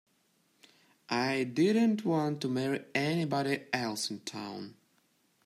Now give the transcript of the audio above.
I didn't want to marry anybody else in town.